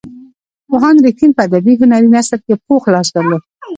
پوهاند رښتین په ادبي هنري نثر کې پوخ لاس درلود.